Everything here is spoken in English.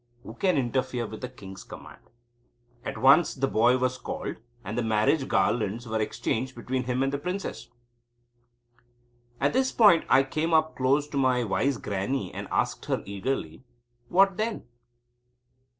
Who can interfere with a king's command? At once the boy was called, and the marriage garlands were exchanged between him and the princess. At this point I came up close to my wise Grannie and asked her eagerly: "What then?"